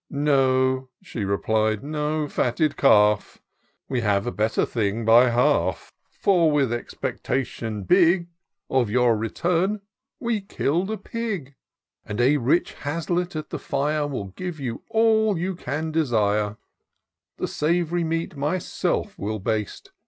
" No," she replied, " no fatted calf; We have a better thing by half; For with expectation big Of your return, we kill'd a pig ; And a rich haslet at the fire. Will give you all you can desire ; The sav'ry meat myself will baste.